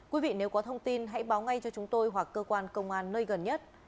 quý vị nếu có thông tin hãy báo ngay cho chúng tôi hoặc cơ quan công an nơi gần nhất